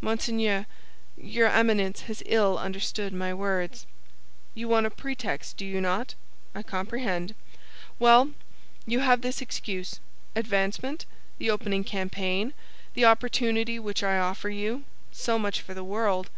"Monseigneur, your Eminence has ill understood my words." "You want a pretext, do you not? I comprehend. Well, you have this excuse: advancement, the opening campaign, the opportunity which I offer you—so much for the world.